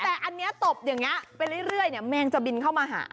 แต่อันนี้ตบอย่างนี้ไปเรื่อยเนี่ยแมงจะบินเข้ามาหา